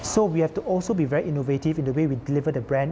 เพื่อปฏิเสธการและคน